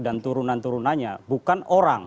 dan turunan turunannya bukan orang